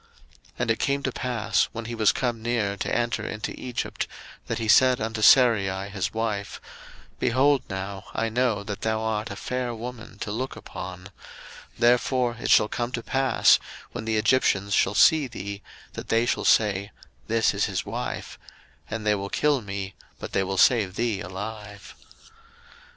01:012:011 And it came to pass, when he was come near to enter into Egypt, that he said unto Sarai his wife, Behold now, I know that thou art a fair woman to look upon: 01:012:012 Therefore it shall come to pass, when the Egyptians shall see thee, that they shall say, This is his wife: and they will kill me, but they will save thee alive.